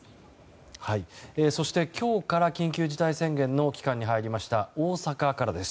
そして、今日から緊急事態宣言の期間に入りました大阪からです。